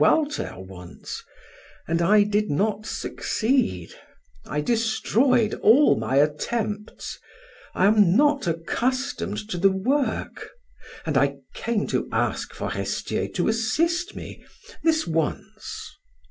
Walter wants and I did not succeed I destroyed all my attempts I am not accustomed to the work and I came to ask Forestier to assist me his once."